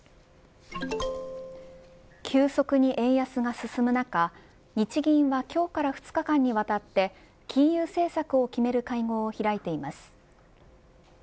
急速に円安が進む中日銀は今日から２日間にわたって金融政策を決める会合を開いています。